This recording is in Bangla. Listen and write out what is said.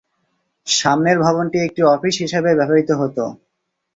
সামনের ভবনটি একটি অফিস হিসাবে ব্যবহৃত হতো।